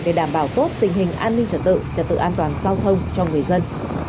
để đảm bảo tốt tình hình an ninh trật tự trật tự an toàn giao thông cho người dân